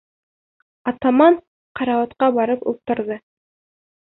Атаман карауатҡа барып ултырҙы.